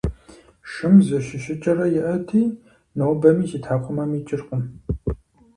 Шым зы щыщыкӀэрэ иӀэти, нобэми си тхьэкӀумэм икӀыркъым…